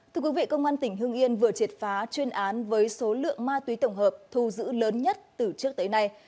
thưa quý vị công an tỉnh hương yên vừa triệt phá chuyên án với số lượng ma túy tổng hợp thu giữ lớn nhất từ trước tới nay